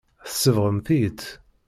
Tsebɣem-iyi-tt.